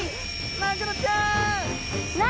マグロちゃん！